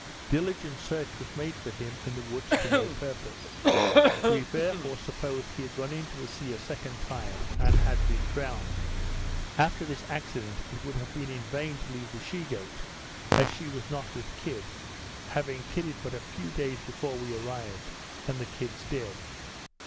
Diligent search was made for him in the woods to no purpose; we therefore supposed he had run into the sea a second time, and had been drowned. After this accident, it would have been in vain to leave the she goat, as she was not with kid; having kidded but a few days before we arrived, and the kids dead.